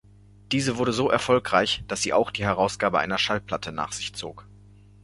Diese wurde so erfolgreich, dass sie auch die Herausgabe einer Schallplatte nach sich zog.